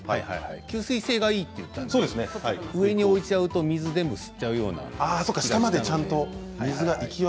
吸水性がいいって言ったから上に置いちゃうと水を全部吸っちゃいそうな。